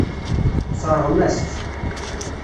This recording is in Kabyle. Tessṛeɣ-am-tt.